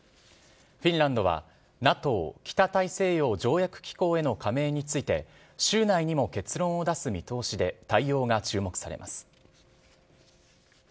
フィンランドはＮＡＴＯ・北大西洋条約機構への加盟について、週内にも結論を出す見通しで、対応が注目されます。